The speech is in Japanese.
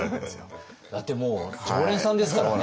だってもう常連さんですからね。